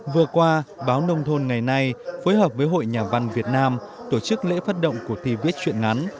vừa qua báo nông thôn ngày nay phối hợp với hội nhà văn việt nam tổ chức lễ phát động của thi viết chuyện ngắn